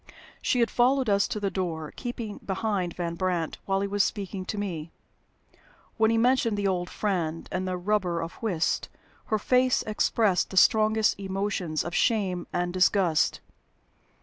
She had followed us to the door, keeping behind Van Brandt while he was speaking to me. When he mentioned the "old friend" and the "rubber of whist," her face expressed the strongest emotions of shame and disgust.